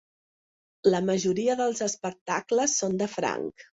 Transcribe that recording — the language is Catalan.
La majoria dels espectacles són de franc.